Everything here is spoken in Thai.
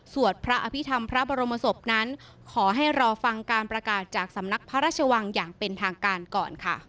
สวดพระอภิษฐรรมพระบรมศพนั้นขอให้รอฟังการประกาศจากสำนักพระราชวังอย่างเป็นทางการก่อนค่ะ